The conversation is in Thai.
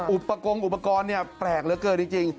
อุปกรณ์อุปกรณ์เนี่ยแปลกเหลือเกินจริง